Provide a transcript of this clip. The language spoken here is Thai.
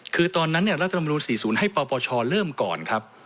คือตอนนั้นรัฐธรรมนูล๔๐ให้ปปชเริ่มก่อนครับ